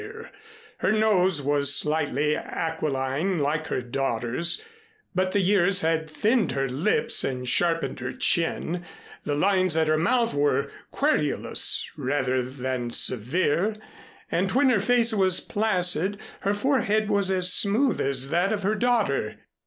Her nose was slightly aquiline like her daughter's, but the years had thinned her lips and sharpened her chin, the lines at her mouth were querulous rather than severe, and when her face was placid, her forehead was as smooth as that of her daughter.